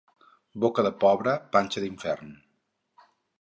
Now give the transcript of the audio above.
Boca de pobre, panxa d'infern.